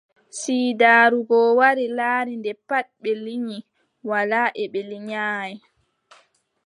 Siidaaru goo wari laari, nde pat ɓe liŋi walaa e ɓe liŋaay ;